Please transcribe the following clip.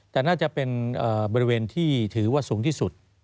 แต่น่าจะเป็นบริเวณที่ถือว่าสูงที่สุด